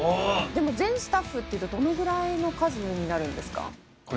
全スタッフっていうとどのぐらいの数になるんですか？